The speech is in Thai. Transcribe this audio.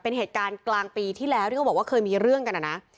เป็นเหตุการณ์กลางปีที่แล้วที่เขาบอกว่าเคยมีเรื่องกันนะ